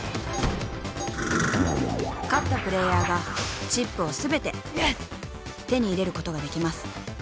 ［勝ったプレーヤーがチップを全て手に入れることができます］